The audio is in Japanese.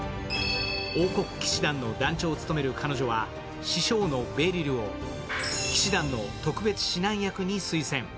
王国騎士団の団長を務める彼女は師匠のベリルを騎士団の特別指南役に推薦。